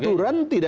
kalau aturan tidak